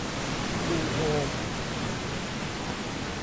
ดูโฮม